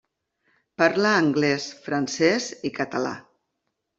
Parla anglès, francès i català.